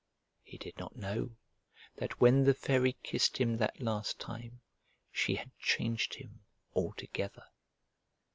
He did not know that when the Fairy kissed him that last time she had changed him altogether.